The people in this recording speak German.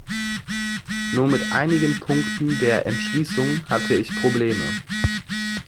Nur mit einigen Punkten der Entschließung hatte ich Probleme.